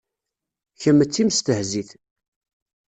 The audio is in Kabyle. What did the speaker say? Kemm d timestehzit.